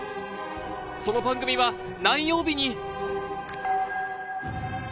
その番組は何曜日に？